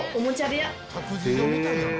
託児所みたいやな。